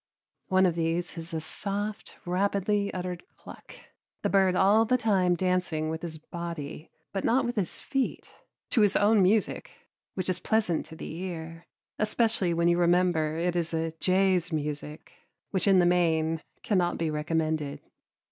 One of these is a soft, rapidly uttered cluck, the bird all the time dancing with his body, but not with his feet, to his own music, which is pleasant to the ear, especially when you remember it is a jay's music, which in the main cannot be recommended.